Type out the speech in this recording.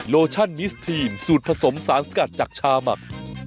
โลชั่นมิสทีนสูตรผสมสารสกัดจากชาหมัก